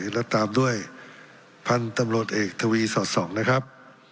และตามด้วยพันธุ์ตำรวจเอกทวีสอดส่องนะครับ